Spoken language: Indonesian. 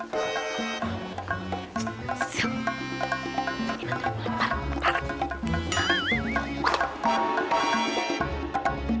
kita harus pergi kemana lagi nih